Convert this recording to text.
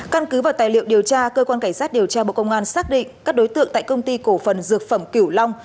căn cứ vào tài liệu điều tra cơ quan cảnh sát điều tra bộ công an xác định các đối tượng tại công ty cổ phần dược phẩm kiểu long